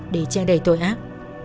để che đầy tội ác